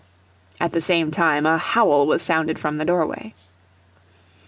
At the same time a howl was sounded from the doorway.